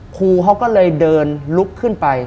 ครูเขาก็เลยเดินลุกขึ้นไป